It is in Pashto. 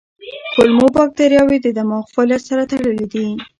کولمو بکتریاوې د دماغ فعالیت سره تړلي دي.